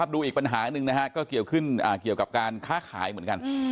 ดูอีกปัญหาหนึ่งนะฮะก็เกี่ยวกับการค้าขายเหมือนกัน